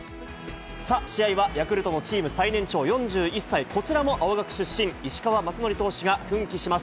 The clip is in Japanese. さあ、試合はヤクルトのチーム最年長、４１歳、こちらも青学出身、石川雅規投手が奮起します。